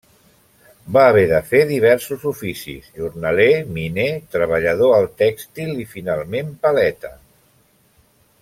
Va haver de fer diversos oficis: jornaler, miner, treballador al tèxtil i finalment paleta.